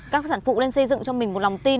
các sản phụ nên xây dựng cho mình một lòng tin